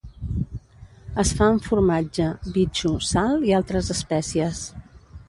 Es fa amb formatge, bitxo, sal i altres espècies.